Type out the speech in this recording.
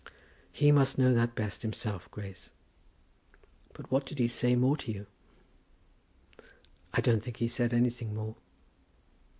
"He must know that best himself, Grace; but what did he say more to you?" "I don't think he said anything more."